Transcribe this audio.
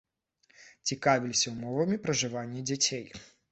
Цікавілася ўмовамі пражывання дзяцей.